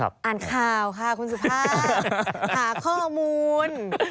อ่านข่าวค่ะคุณสุภาพหาข้อมูล